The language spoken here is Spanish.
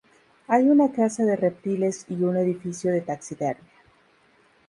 Hay una casa de reptiles y un edificio de taxidermia.